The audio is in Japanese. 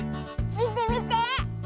みてみて。